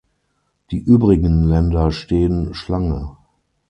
Die übrigen Länder stehen Schlange.